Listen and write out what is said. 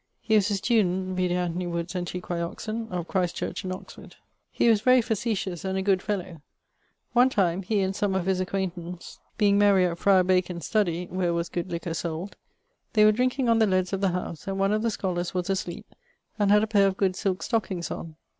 He was a student (vide Anthony Wood's Antiq. Oxon.) of Christ church in Oxford. He was very facetious, and a good fellowe. One time he and some of his acquaintance being merry at Fryar Bacon's study (where was good liquor sold), they were drinking on the leads of the house, and one of the scholars was asleepe, and had a paire of good silke stockings on.